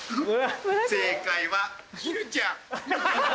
正解はひるちゃん。